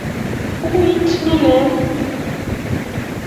Bukuit ne lel.